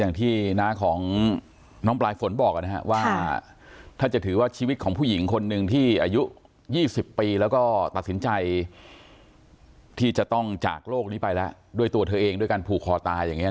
อย่างที่น้าของน้องปลายฝนบอกนะฮะว่าถ้าจะถือว่าชีวิตของผู้หญิงคนหนึ่งที่อายุ๒๐ปีแล้วก็ตัดสินใจที่จะต้องจากโลกนี้ไปแล้วด้วยตัวเธอเองด้วยการผูกคอตายอย่างนี้